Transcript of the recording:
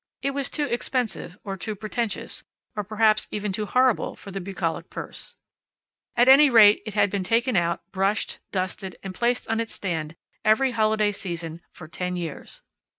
It was too expensive; or too pretentious, or perhaps even too horrible for the bucolic purse. At any rate, it had been taken out, brushed, dusted, and placed on its stand every holiday season for ten years.